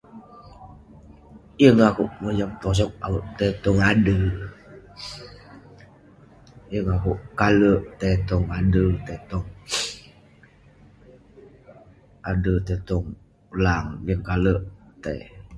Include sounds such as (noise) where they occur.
Yeng akouk mojam tosog akouk tai tong ader. Yeng akouk kalek tai tong ader, tai tong (sniffs) ader, tai tong lang. Yeng kalek tai.